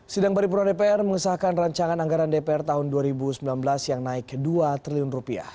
sidang paripurna dpr mengesahkan rancangan anggaran dpr tahun dua ribu sembilan belas yang naik rp dua triliun